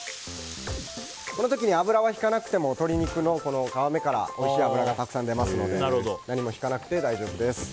この時に油は引かなくても鶏肉の皮目からおいしい脂がたくさん出ますので何もひかなくて大丈夫です。